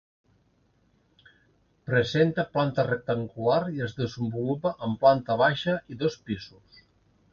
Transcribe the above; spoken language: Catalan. Presenta planta rectangular i es desenvolupa en planta baixa i dos pisos.